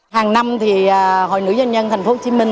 hàng năm thì hội nữ doanh nhân tp hcm